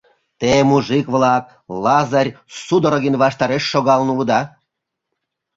Те, мужик-влак, Лазарь Судорогин ваштареш шогалын улыда.